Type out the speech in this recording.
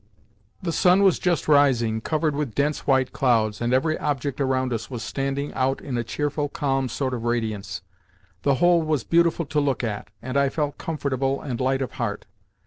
The sun was just rising, covered with dense white clouds, and every object around us was standing out in a cheerful, calm sort of radiance. The whole was beautiful to look at, and I felt comfortable and light of heart.